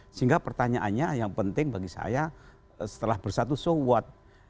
sehingga pertanyaannya yang penting bagi saya setelah bersatu so what